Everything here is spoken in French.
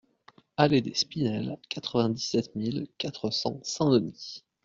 Allée des Spinelles, quatre-vingt-dix-sept mille quatre cents Saint-Denis